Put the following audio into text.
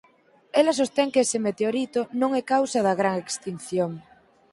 Ela sostén que ese meteorito non é a causa da gran extinción.